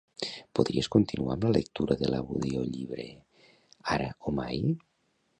Podries continuar amb la lectura de l'audiollibre "Ara o mai"?